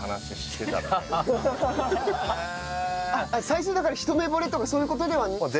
最初だから一目惚れとかそういう事では？